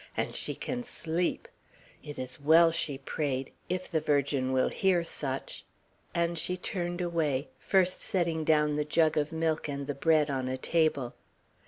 "And she can sleep! It is well she prayed, if the Virgin will hear such!" and she turned away, first setting down the jug of milk and the bread on a table.